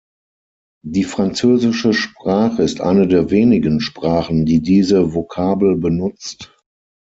Die französische Sprache ist eine der wenigen Sprachen, die diese Vokabel benutzt.